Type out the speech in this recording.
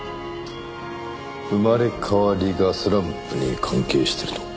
生まれ変わりがスランプに関係してると？